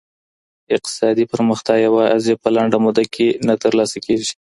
اقتصادي پرمختیا یوازي په لنډه موده کي نه ترلاسه کیږي.